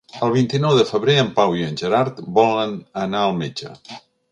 El vint-i-nou de febrer en Pau i en Gerard volen anar al metge.